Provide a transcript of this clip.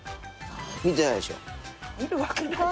見てないでしょ。